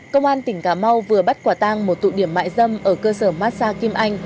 công an tỉnh cà mau vừa bắt quả tang một tụ điểm mại dâm ở cơ sở massag kim anh